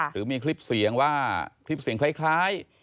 หรือมีคลิปเสียงว่าคลิปเสียงคล้าย